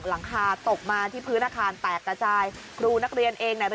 หลังคาตกมาที่พื้นอาคารแตกกระจายครูนักเรียนเองเนี่ย